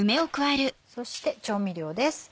そして調味料です。